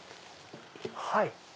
はい。